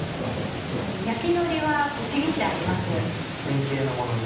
焼きのりはちぎってあります。